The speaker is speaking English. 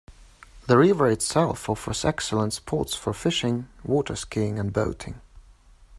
The river itself offers excellent spots for fishing, waterskiing and boating.